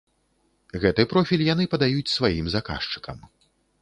Гэты профіль яны падаюць сваім заказчыкам.